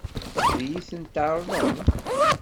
Ad iyi-tent-tɛeṛḍem?